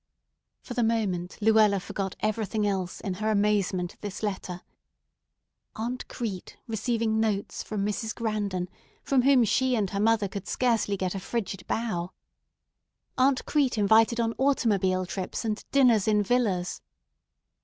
'" For the moment Luella forgot everything else in her amazement at this letter. Aunt Crete receiving notes from Mrs. Grandon, from whom she and her mother could scarcely get a frigid bow! Aunt Crete invited on automobile trips and dinners in villas!